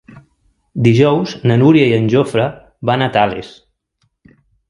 Dijous na Núria i en Jofre van a Tales.